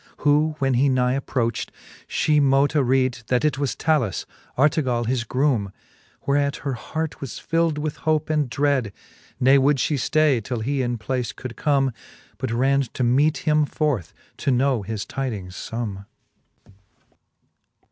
Who when he nigh approcht, fhe mote arede, That it was Talus, Artegall his groome 5 Whereat her heart was fild with hope and drede j Ne would fhe ftay, till he in place could come^ But ran to meete hlai forth, to know his tidings fomme.